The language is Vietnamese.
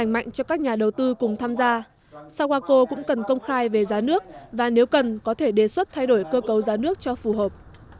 mạnh cho các nhà đầu tư cùng tham gia sawako cũng cần công khai về giá nước và nếu cần có thể đề xuất thay đổi cơ cấu giá nước cho phù hợp